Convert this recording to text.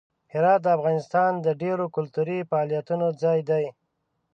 هرات د افغانستان د ډیرو کلتوري فعالیتونو ځای دی.